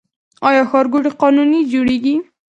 آیا ښارګوټي قانوني جوړیږي؟